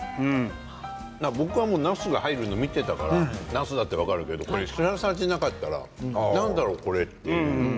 僕は、なすが入るの見てたからなすだって分かるけど知らされてなかったら何だろう、これ？って。